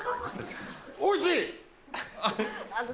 おいしい。